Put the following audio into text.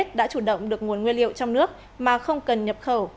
việt nam đã chủ động được nguồn nguyên liệu trong nước mà không cần nhập khẩu